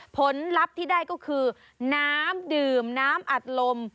ผลลัพธ์ที่ได้ก็คือน้ำดื่มน้ำอัดลม